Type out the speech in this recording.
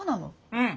うん。